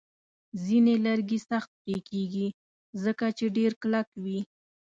ځینې لرګي سخت پرې کېږي، ځکه چې ډیر کلک وي.